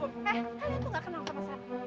eh kalian tuh nggak kenal sama saya